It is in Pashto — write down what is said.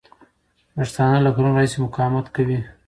پښتانه له کلونو راهیسې مقاومت کوله.